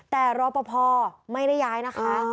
แต่รอปภไม่ได้ย้ายนะคะ